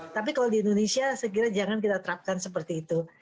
tapi kalau di indonesia saya kira jangan kita terapkan seperti itu